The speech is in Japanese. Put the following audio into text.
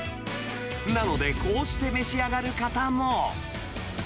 なので、こうして召し上がる方も。